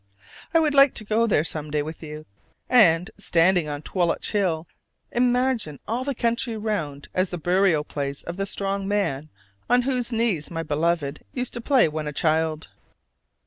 I would like to go there some day with you, and standing on Twloch Hill imagine all the country round as the burial place of the strong man on whose knees my beloved used to play when a child.